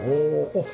あっ。